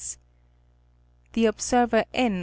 The observer N.